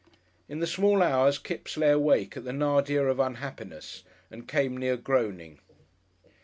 In the small hours Kipps lay awake at the nadir of unhappiness and came near groaning.